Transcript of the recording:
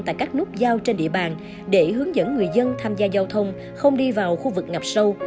tại các nút giao trên địa bàn để hướng dẫn người dân tham gia giao thông không đi vào khu vực ngập sâu